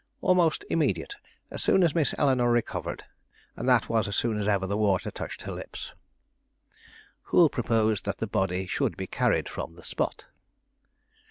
"Almost immediate, as soon as Miss Eleanore recovered, and that was as soon as ever the water touched her lips." "Who proposed that the body should be carried from the spot?"